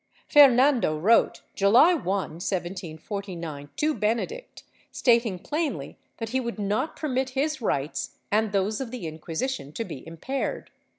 Fernando w^rote, July 1, 1749, to Benedict, stating plainly that he would not permit his rights and those of the Inquisition to be impaired.